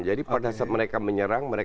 jadi pada saat mereka menyerang